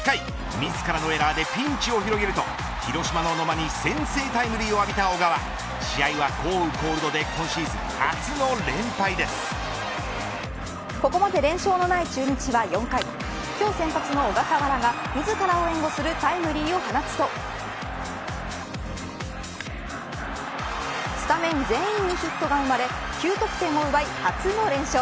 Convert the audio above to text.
自らのエラーでピンチを広げると広島の野間に先制タイムリーを浴びた小川試合は降雨コールドでここまで連勝のない中日は４回今日先発の小笠原が、自らを援護するタイムリーを放つとスタメン全員にヒットが生まれ９得点を奪い初の連勝。